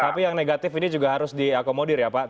tapi yang negatif ini juga harus diakomodir ya pak